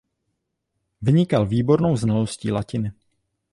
Vynikal výbornou znalostí latiny.